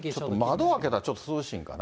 窓開けたらちょっと涼しいんかな。